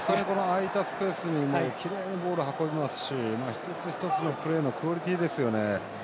空いたスペースにきれいにボールを運びますし一つ一つのプレーのクオリティーですよね。